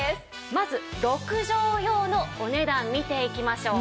まず６畳用のお値段見ていきましょう。